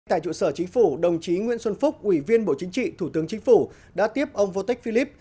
tại trụ sở chính phủ đồng chí nguyễn xuân phúc ủy viên bộ chính trị thủ tướng chính phủ đã tiếp ông vô tích phi líp